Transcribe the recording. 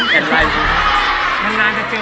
นานจะเจอคนบ้านอยู่กัน